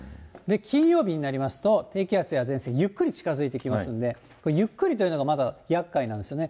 金曜日になりますと、低気圧や前線、ゆっくり近づいてきますんで、ゆっくりというのが、またやっかいなんですね。